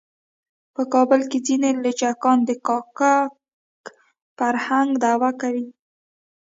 په کابل کې ځینې لچکان د کاکه فرهنګ دعوه کوي.